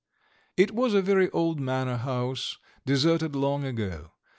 It was a very old manor house, deserted long ago.